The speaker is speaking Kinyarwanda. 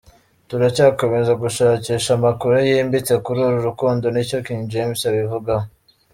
Turacyakomeza gushakisha amakuru yimbitse kuri uru rukundo n’icyo King James abivugaho.